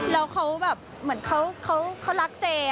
แล้วเขาแบบเหมือนเขารักเจ